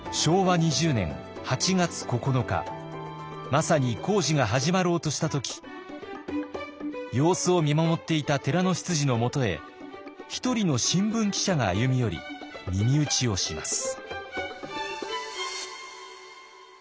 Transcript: まさに工事が始まろうとした時様子を見守っていた寺の執事のもとへ一人の新聞記者が歩み寄り耳打ちをします。